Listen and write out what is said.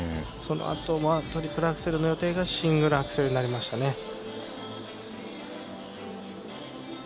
そのあとはトリプルアクセルの予定がシングルアクセルになりましたね。